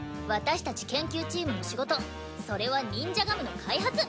私たち研究チームの仕事それはニンジャガムの開発。